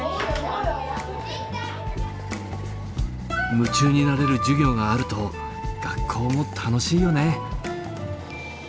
夢中になれる授業があると学校も楽しいよね。